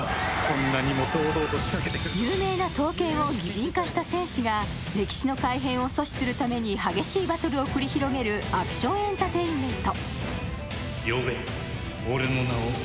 有名な刀剣を擬人化した戦士が歴史の改変を阻止するために激しいバトルを繰り広げるアクションエンタテインメント。